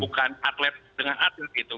bukan atlet dengan atlet itu